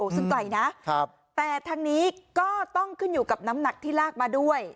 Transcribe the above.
ซึ่งไกลนะแต่ทางนี้ก็ต้องขึ้นอยู่กับน้ำหนักที่ลากมาด้วย